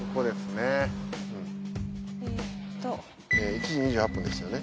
１時２８分ですよね。